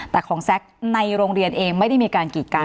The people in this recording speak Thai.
แต่ของแซคในโรงเรียนเองไม่ได้มีการกีดกัน